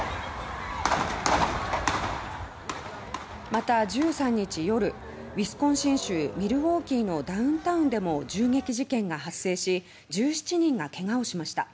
また、１３日夜ウィスコンシン州ミルウォーキーのダウンダウンでも銃撃事件が発生し１７人がけがをしました。